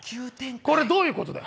これどういうこと。